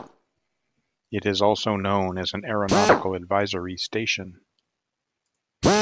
It is also known as an Aeronautical Advisory Station.